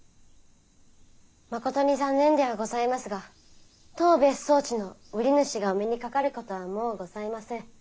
まことに残念ではございますが当別荘地の売り主がお目にかかることはもうございません。